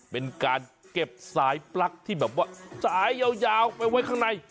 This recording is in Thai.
เป็นการเก็บสายปลั๊กที่แบบว่าสายยาวไปไว้ข้างใน